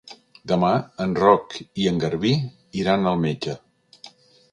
Demà en Roc i en Garbí iran al metge.